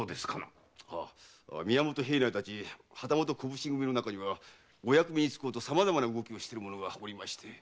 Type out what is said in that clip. ⁉宮本平内たち旗本小普請組の中にはお役目につこうと様々な動きをしている者がおりまして。